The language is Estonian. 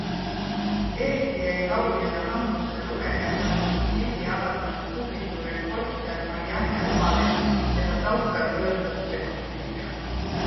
Eriti jäi lauljale hambusse lugeja saadetud pildi avaldanud Publiku reporter Marianne Ubaleht, keda Taukar võrdles pedofiiliga.